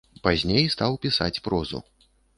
Пазней стаў пісаць прозу.